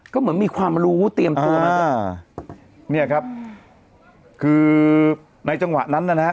ก็เหมือนมีความรู้เตรียมตัวมาอ่าเนี่ยครับคือในจังหวะนั้นนะฮะ